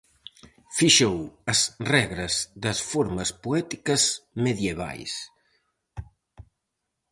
Fixou as regras das formas poéticas medievais.